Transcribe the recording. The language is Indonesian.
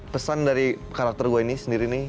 pesan dari karakter gue ini sendiri nih